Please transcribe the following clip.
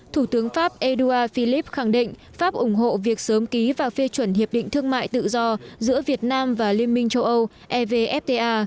thủ tướng pháp edouard philipp khẳng định pháp ủng hộ việc sớm ký và phê chuẩn hiệp định thương mại tự do giữa việt nam và liên minh châu âu evfta